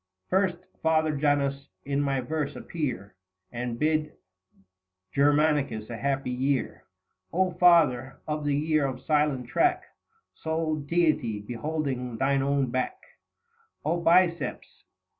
First, Father Janus, in my verse appear 70 And bid Germanicus a happy year. O Father, of the year of silent track, Sole Deity beholding thine own back ; O Biceps